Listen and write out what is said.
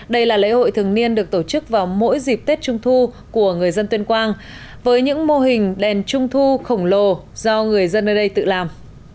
đây là lễ hội thường niên được tổ chức vào mỗi dịp tết trung thu của người dân tuyên quang với những mô hình đèn trung thu khổng lồ do người dân ở đây tự làm